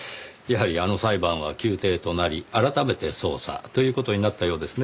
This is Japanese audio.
やはりあの裁判は休廷となり改めて捜査という事になったようですねぇ。